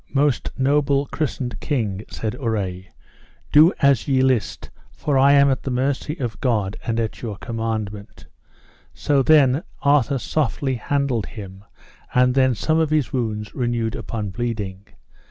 Most noble christened king, said Urre, do as ye list, for I am at the mercy of God, and at your commandment. So then Arthur softly handled him, and then some of his wounds renewed upon bleeding.